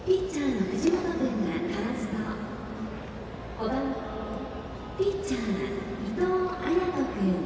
５番ピッチャー伊藤彩斗君。